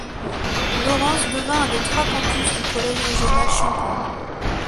Lawrence devient un des trois campus du Collège régional Champlain.